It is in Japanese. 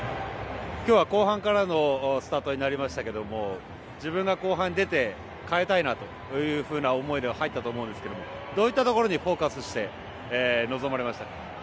今日は後半からのスタートになりましたけども自分が後半に出て変えたいなという思いで入ったと思いますがどういったところにフォーカスして臨まれましたか？